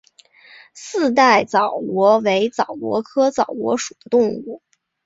四带枣螺为枣螺科枣螺属的动物。